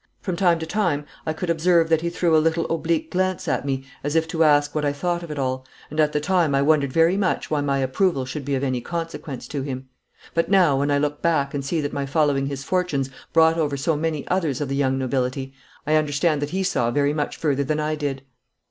From time to time I could observe that he threw a little oblique glance at me as if to ask what I thought of it all, and at the time I wondered very much why my approval should be of any consequence to him. But now, when I look back and see that my following his fortunes brought over so many others of the young nobility, I understand that he saw very much further than I did.